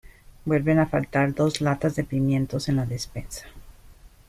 vuelven a faltar dos latas de pimientos en la despensa.